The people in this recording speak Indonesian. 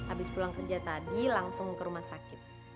habis pulang kerja tadi langsung ke rumah sakit